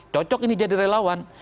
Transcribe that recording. cocok ini jadi relawan